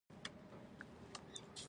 چې د ناظم له کوټې څخه لاره ورته تللې ده.